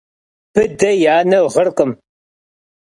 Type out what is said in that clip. Bıde yi ane ğırkhım.